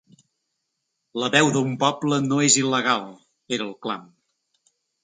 La veu d’un poble no és il·legal, era el clam.